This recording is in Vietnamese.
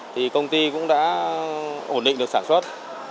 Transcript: thì công ty cũng đã ổn định được sản xuất